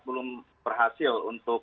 belum berhasil untuk